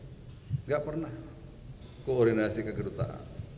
tidak pernah koordinasi ke kedutaan